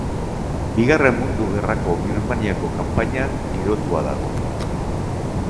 Bigarren Mundu Gerrako Birmaniako kanpainan girotua dago.